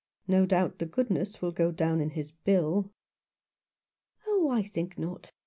No doubt the goodness will go down in his bill." "Oh, I think not.